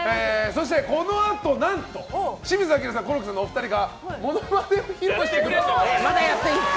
そして、このあと何と清水アキラさんとコロッケさんのお二人がモノマネを披露してくれます！